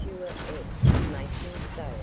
F to make him say it."